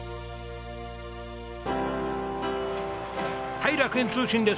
はい楽園通信です。